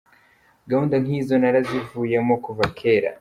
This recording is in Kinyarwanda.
Gahunda nk’izo narazivuyemo kuva kera.